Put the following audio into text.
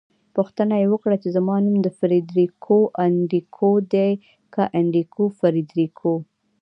پوښتنه يې وکړه چې زما نوم فریدریکو انریکو دی که انریکو فریدریکو؟